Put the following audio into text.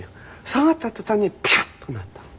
下がった途端にピカッとなったの。